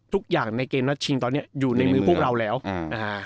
ทุกอย่างในเกมนัดชิงตอนเนี้ยอยู่ในมือพวกเราแล้วอ่า